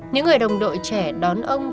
những người đồng đội trẻ đón ông